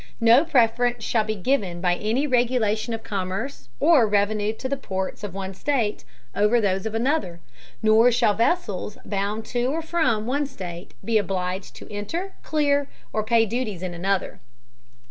No Preference shall be given by any Regulation of Commerce or Revenue to the Ports of one State over those of another: nor shall Vessels bound to, or from, one State, be obliged to enter, clear, or pay Duties in another.